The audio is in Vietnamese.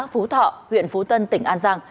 phú thọ huyện phú tân tỉnh an giang